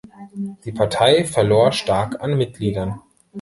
Die Partei verlor stark an Mitgliedern.